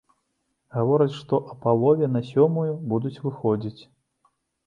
Гавораць, што а палове на сёмую будуць выходзіць.